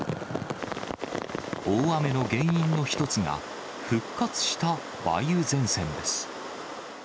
大雨の原因の一つが、復活した梅雨前線です。